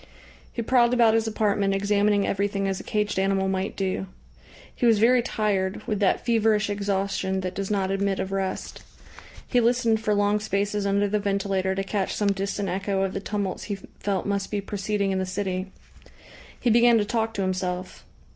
He prowled about his apartment, examining everything as a caged animal might do. He was very tired, with that feverish exhaustion that does not admit of rest. He listened for long spaces under the ventilator to catch some distant echo of the tumults he felt must be proceeding in the city. He began to talk to himself.